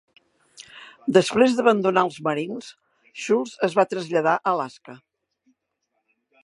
Després d'abandonar els Marines, Schulz es va traslladar a Alaska.